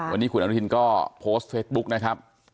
วันนี้คุณอนุทินก็โพสต์เฟซบุ๊กนะครับ